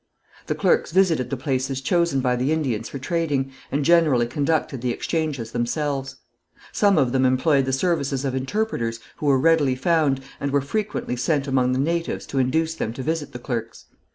The clerks visited the places chosen by the Indians for trading, and generally conducted the exchanges themselves. Some of them employed the services of interpreters who were readily found, and were frequently sent among the natives to induce them to visit the clerks.